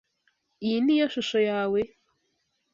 Iyi niyo shusho yawe?